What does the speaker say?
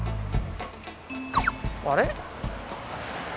あれ？